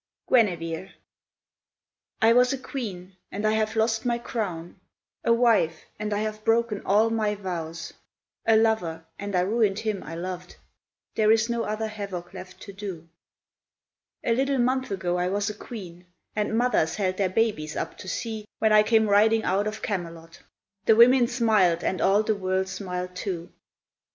Guenevere I was a queen, and I have lost my crown; A wife, and I have broken all my vows; A lover, and I ruined him I loved: There is no other havoc left to do. A little month ago I was a queen, And mothers held their babies up to see When I came riding out of Camelot. The women smiled, and all the world smiled too.